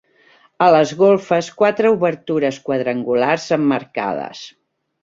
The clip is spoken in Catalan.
A les golfes, quatre obertures quadrangulars emmarcades.